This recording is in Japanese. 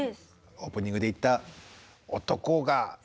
オープニングで言った「男が」